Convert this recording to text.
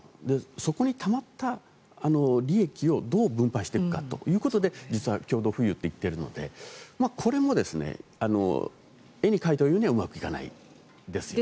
そこにたまった利益をどう分配していくかということで実は共同富裕って言ってるのでこれも絵に描いたようにはうまくいかないですよね。